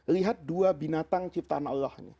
lihat dua binatang ciptaan allah